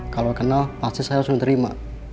kalau kenal pasti saya langsung terima